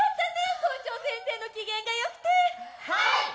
校長先生の機嫌がよくて。